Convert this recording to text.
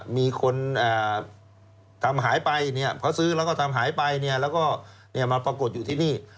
มีคนทำหายไปเพราะซื้อแล้วก็ทำหายไปแล้วก็มาปรากฏอยู่ที่นี่